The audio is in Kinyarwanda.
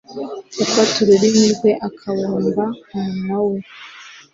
Ufata ururimi rwe akabumba umunwa we